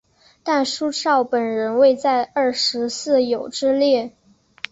但苏绍本人未在二十四友之列。